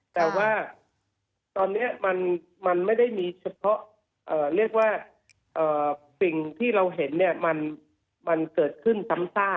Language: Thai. แต่ว่าตอนนี้มันไม่ได้มีเฉพาะเรียกว่าสิ่งที่เราเห็นเนี่ยมันเกิดขึ้นซ้ำซาก